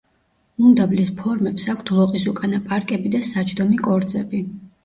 უმდაბლეს ფორმებს აქვთ ლოყისუკანა პარკები და საჯდომი კორძები.